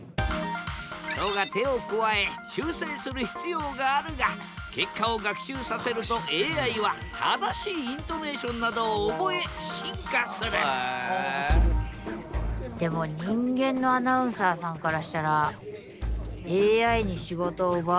人が手を加え修正する必要があるが結果を学習させるとＡＩは正しいイントネーションなどを覚え進化するそうね。ということで人間のアナウンサーに直撃！